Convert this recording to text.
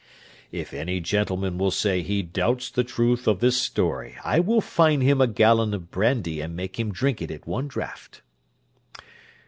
_If any gentleman will say he doubts the truth of this story, I will fine him a gallon of brandy and make him drink it at one draught.